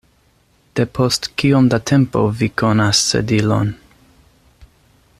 Depost kiom da tempo vi konas Sedilon?